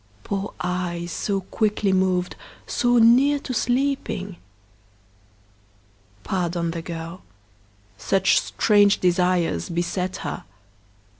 Poor eyes, so quickly moved, so near to sleeping? Pardon the girl; such strange desires beset her.